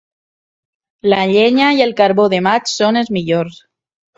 La llenya i el carbó de maig són els millors.